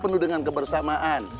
penuh dengan kebersamaan